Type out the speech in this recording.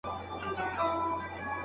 ایا ځايي بزګر ممیز اخلي؟